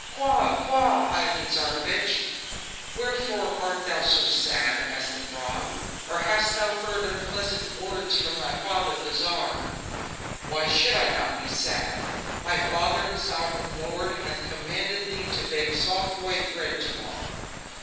"Qua! qua! Ivan Tsarevich! wherefore art thou so sad?" asked the Frog. "Or hast thou heard unpleasant words from thy father the Tsar?" "Why should I not be sad? My father and sovereign lord hath commanded thee to bake soft white bread to morrow."